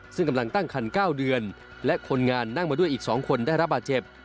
ซึ่งกำลังตั้งคัน๙เดือนและคนงานนั่งมาด้วยอีก๒คนได้รับบาดเจ็บ